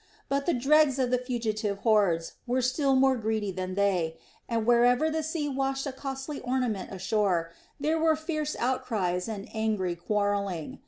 But the dregs of the fugitive hordes were still more greedy than they, and wherever the sea washed a costly ornament ashore, there were fierce outcries and angry quarrelling.